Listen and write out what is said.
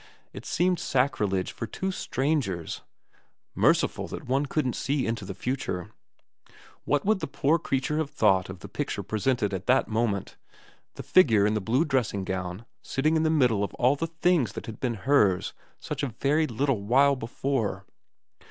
It seemed sacrilege for two strangers. ... Merciful that one couldn't see VERA 331 into the future. What would the poor creature have thought of the picture presented at that moment, the figure in the blue dressing gown, sitting in the middle of all the things that had been hers such a very little while before